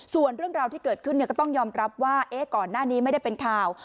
ส่วนเรื่องราวที่เกิดขึ้นก็ต้องยอมรับว่าก่อนหน้านี้ไม่ได้เป็นข่าว